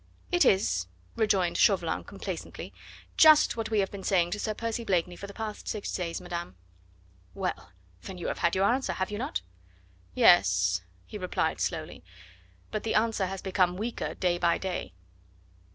"It is," rejoined Chauvelin complacently, "just what we have been saying to Sir Percy Blakeney for the past six days, madame." "Well! then you have had your answer, have you not?" "Yes," he replied slowly; "but the answer has become weaker day by day."